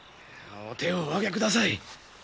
お手をお上げください。